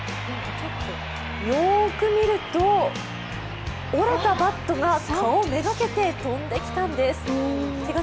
よく見ると、折れたバットが顔めがけて飛んできたんです。